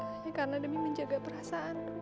hanya karena demi menjaga perasaan rumi